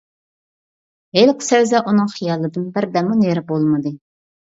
ھېلىقى سەۋزە ئۇنىڭ خىيالىدىن بىردەممۇ نېرى بولمىدى.